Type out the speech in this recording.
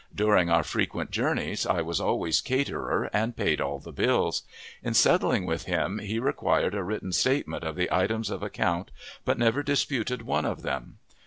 During our frequent journeys, I was always caterer, and paid all the bills. In settling with him he required a written statement of the items of account, but never disputed one of them.